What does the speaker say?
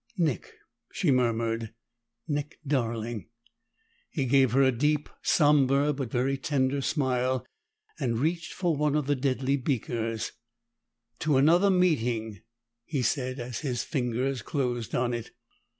"Nick!" she murmured. "Nick, darling!" He gave her a deep, somber, but very tender smile, and reached for one of the deadly beakers, "To another meeting!" he said as his fingers closed on it.